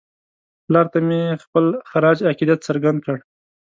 پلار ته مې یې خپل خراج عقیدت څرګند کړ.